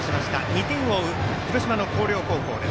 ２点を追う広島の広陵高校。